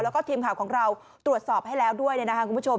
แล้วก็ทีมข่าวของเราตรวจสอบให้แล้วด้วยนะครับคุณผู้ชม